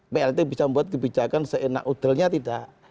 plt bisa membuat kebijakan seenak udelnya tidak